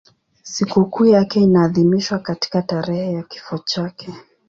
Sikukuu yake inaadhimishwa katika tarehe ya kifo chake.